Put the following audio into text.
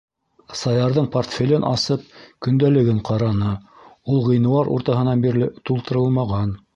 Саярҙың портфелен асып, көндәлеген ҡараны - ул ғинуар уртаһынан бирле тултырылмаған.